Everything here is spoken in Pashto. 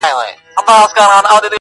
موږ چي موږ چي په جلال آباد کي.